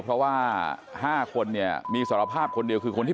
กลายมาตอนนี้ก็ขอต้อนรับครับ